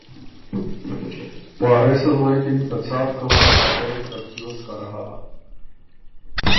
وارث ال غوېکِن که ”څا بو کوئ افۀ يې ترتیوس کر هۀ۔